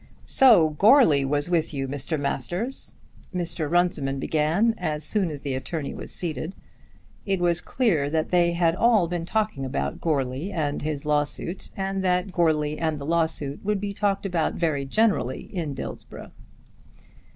"So Goarly was with you, Mr. Masters," Mr. Runciman began as soon as the attorney was seated. It was clear that they had all been talking about Goarly and his law suit, and that Goarly and the law suit would be talked about very generally in Dillsborough.